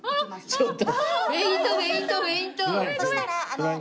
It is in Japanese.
ちょっと。